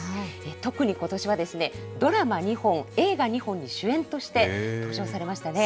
特にことしは、ドラマ２本、映画２本に主演として登場されましたね。